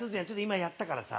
今やったからさ。